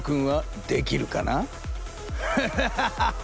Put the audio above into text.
フハハハハ！